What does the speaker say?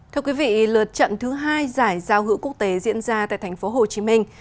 thưa quý vị lượt trận thứ hai giải giao hữu quốc tế diễn ra tại thành phố hồ chí minh